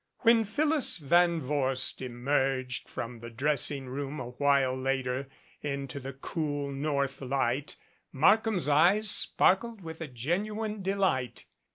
When Phyllis Van Vorst emerged from the dressing room a while later into the cool north light, Markham's eyes sparkled with a genuine delight.